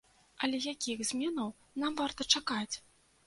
Але якіх зменаў нам варта чакаць?